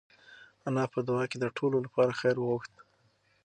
انا په دعا کې د ټولو لپاره خیر وغوښت.